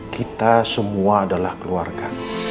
kita semua adalah keluarga